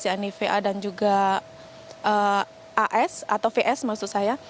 yakni va dan juga as atau vs maksud saya